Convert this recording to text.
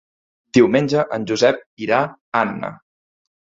Diumenge en Josep irà a Anna.